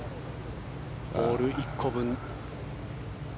ボール１個分。